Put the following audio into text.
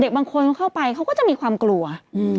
เด็กบางคนเข้าไปเขาก็จะมีความกลัวอืม